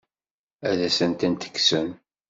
Ad asent-tent-tekksem?